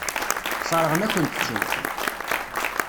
Sseṛɣen-akent-ten.